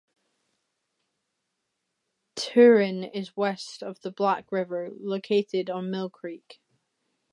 Turin is west of the Black River, located on Mill Creek.